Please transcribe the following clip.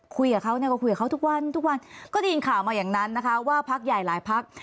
คุยกับเขาเนี่ยก็คุยกับเขาทุกวันทุกวันก็ได้ยินข่าวมาอย่างนั้นนะคะว่าพักใหญ่หลายพัก